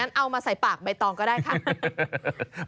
งั้นเอามาใส่ปากใบตองก็ได้ครับ